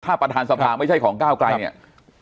ถ้าประธานสภาไม่ใช่ของก้าวไกลเนี่ย